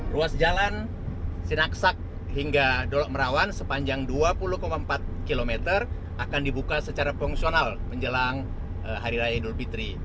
ruas jalan sinaksak hingga dolok merawan sepanjang dua puluh empat km akan dibuka secara fungsional menjelang hari raya idul fitri